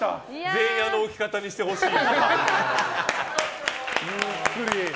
全員、あの置き方にしてほしい。